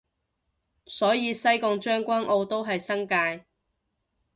所以西貢將軍澳都係新界